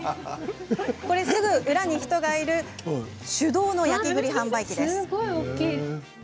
これ、すぐ裏に人がいる手動の焼き栗販売機。